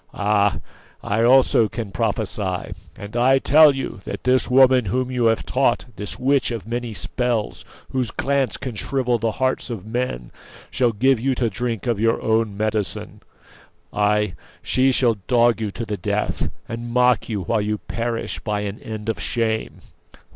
Ah! I also can prophecy; and I tell you that this woman whom you have taught, this witch of many spells, whose glance can shrivel the hearts of men, shall give you to drink of your own medicine; ay, she shall dog you to the death, and mock you while you perish by an end of shame!"